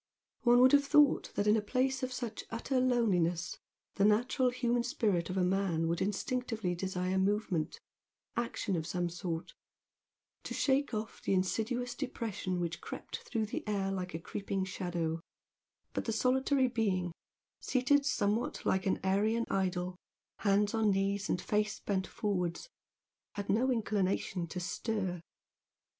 One would have thought that in a place of such utter loneliness, the natural human spirit of a man would instinctively desire movement, action of some sort, to shake off the insidious depression which crept through the air like a creeping shadow, but the solitary being, seated somewhat like an Aryan idol, hands on knees and face bent forwards, had no inclination to stir.